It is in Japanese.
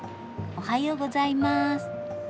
おはようございます。